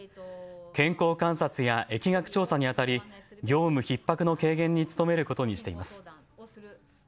健康観察や疫学調査にあたり業務ひっ迫の軽減に努めることにしています。